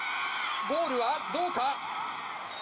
ゴールはどうか？